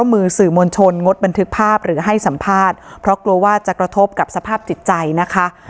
มือสื่อมวลชนงดบันทึกภาพหรือให้สัมภาษณ์เพราะกลัวว่าจะกระทบกับสภาพจิตใจนะคะ